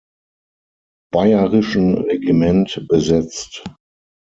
Bayerischen Regiment besetzt.